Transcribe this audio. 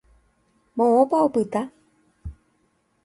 Moõpa opyta.